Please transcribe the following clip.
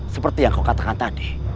seperti yang kau katakan tadi